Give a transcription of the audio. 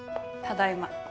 ただいま。